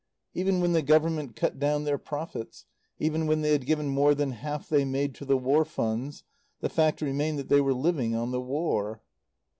Even when the Government cut down their profits; even when they had given more than half they made to the War funds, the fact remained that they were living on the War.